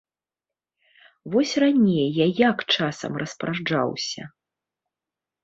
Вось раней я як часам распараджаўся?